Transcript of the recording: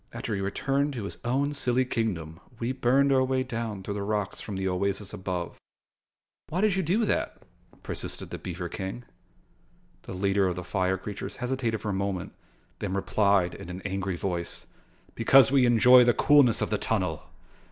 After he returned to his own silly kingdom, we burned our way down through the rocks from the oasis above." "Why did you do that?" persisted the beaver King. The leader of the fire creatures hesitated for a moment then replied in an angry voice: "Because we enjoy the coolness of the tunnel.